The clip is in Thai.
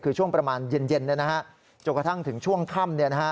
คือช่วงประมาณเย็นจนกระทั่งถึงช่วงค่ำ